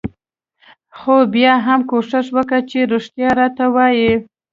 خو بيا هم کوښښ وکه چې رښتيا راته وايې.